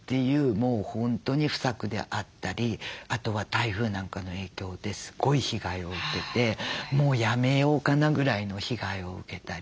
もう本当に不作であったりあとは台風なんかの影響ですごい被害を受けてもうやめようかなぐらいの被害を受けたり。